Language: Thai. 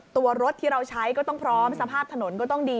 ตัวรถที่เราใช้ก็ต้องพร้อมสภาพถนนก็ต้องดี